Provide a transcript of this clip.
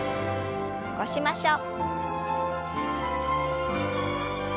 起こしましょう。